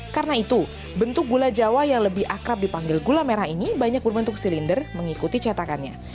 karena itu bentuk gula jawa yang lebih akrab dipanggil gula merah ini banyak berbentuk silinder mengikuti cetakannya